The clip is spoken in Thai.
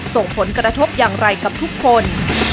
ส่งผลกระทบอย่างไรกับทุกคน